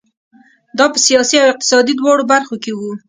دا په سیاسي او اقتصادي دواړو برخو کې وو.